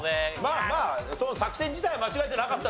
まあまあその作戦自体は間違えてなかったと思うよ。